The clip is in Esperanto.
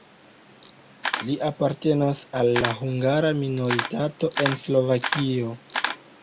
Li apartenas al la hungara minoritato en Slovakio.